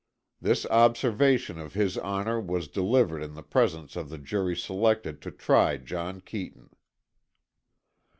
This observation of His Honor was delivered in the presence of the jury selected to try John Keeton."